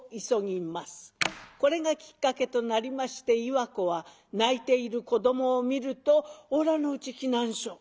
これがきっかけとなりまして岩子は泣いている子どもを見ると「おらのうち来なんしょ」。